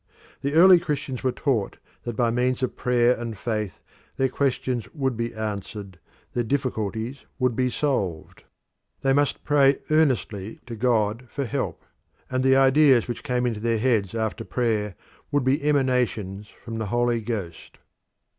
The early Christians were taught that by means of prayer and faith their questions would be answered, their difficulties would be solved. They must pray earnestly to God for help: and the ideas which came into their heads after prayer would be emanations from the Holy Ghost.